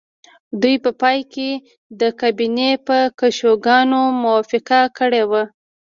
دوی په پای کې د کابینې په کشوګانو موافقه کړې وه